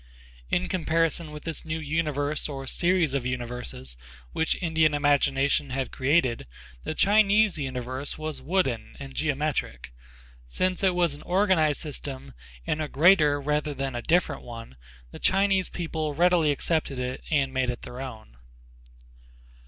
In comparison with this new universe or series of universes which Indian imagination had created, the Chinese universe was wooden and geometric. Since it was an organized system and a greater rather than a different one, the Chinese people readily accepted it and made it their own.